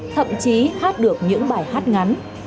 thậm chí hát được những bài hát ngắn